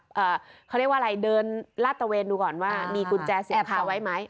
เขาเรียกว่าอะไรเดินลาดตะเวนดูก่อนว่ามีกุญแจเสียบคาไว้ไหม